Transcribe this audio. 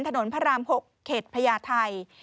ถนนพระราม๖เข็ดพระยาทัย